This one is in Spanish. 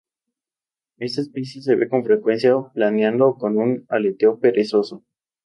Esta especie se ve con frecuencia planeando o con un aleteo perezoso.